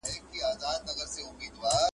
كي څو ورځي وي